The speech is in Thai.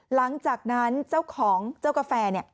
หลังจากนั้นเจ้าของเจ้ากาแฟเนี่ย